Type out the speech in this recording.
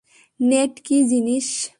নেড কী জিনিস?